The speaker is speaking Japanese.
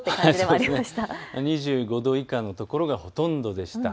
２５度以下の所がほとんどでした。